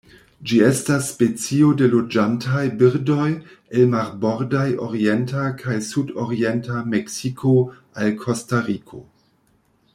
Ĝi estas specio de loĝantaj birdoj el marbordaj orienta kaj sudorienta Meksiko al Kostariko.